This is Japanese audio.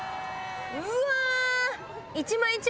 うわ！